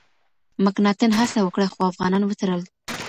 مکناتن هڅه وکړه، خو افغانان وتړل.